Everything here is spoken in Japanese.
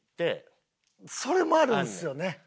それもあるんですよね。